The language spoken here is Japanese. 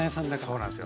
そうなんすよ。